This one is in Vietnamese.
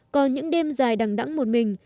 còn những đêm dài đẳng đẳng một mình